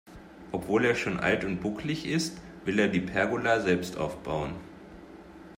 Obwohl er schon alt und bucklig ist, will er die Pergola selbst aufbauen.